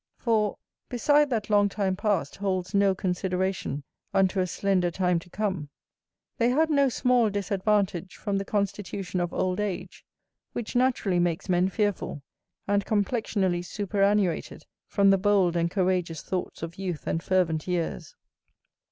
For (beside that long time past holds no consideration unto a slender time to come) they had no small disadvantage from the constitution of old age, which naturally makes men fearful, and complexionally superannuated from the bold and courageous thoughts of youth and fervent years.